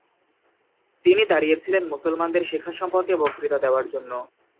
তিনি দাঁড়িয়েছিলেন মুসলমানদের শিক্ষা সম্পর্কে বক্তৃতা দেওয়ার জন্য।